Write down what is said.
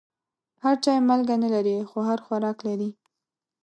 هر چای مالګه نه لري، خو هر خوراک لري.